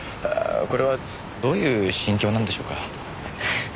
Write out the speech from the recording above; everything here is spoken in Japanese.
これはどういう心境なんでしょうか？